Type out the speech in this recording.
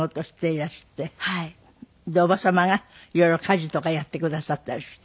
伯母様が色々家事とかやってくださったりして。